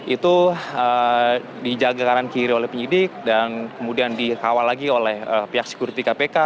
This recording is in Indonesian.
itu dijaga kanan kiri oleh penyidik dan kemudian dikawal lagi oleh pihak sekuriti kpk